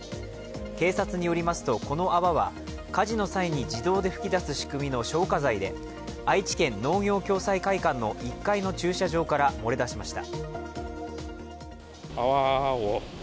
警察によりますと、この泡は火事の際に自動で噴き出す仕組みの消火剤で愛知県農業共済会館の１階の駐車場から漏れ出しました。